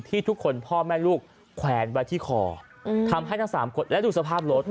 ทุกคนพ่อแม่ลูกแขวนไว้ที่คอทำให้ทั้งสามคนและดูสภาพรถ